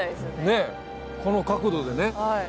ねえこの角度でね。